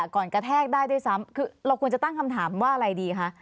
กระแทกได้ด้วยซ้ำคือเราควรจะตั้งคำถามว่าอะไรดีคะ